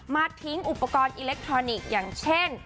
ทิ้งอุปกรณ์อิเล็กทรอนิกส์อย่างเช่น